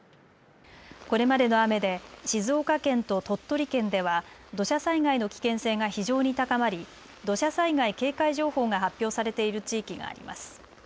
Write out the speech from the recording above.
これまでの雨で静岡県と鳥取県では土砂災害の危険性が非常に高まり土砂災害警戒情報が発表されている地域があります。